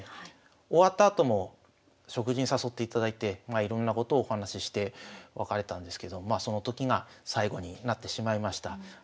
終わったあとも食事に誘っていただいていろんなことをお話しして別れたんですけどその時が最後になってしまいました。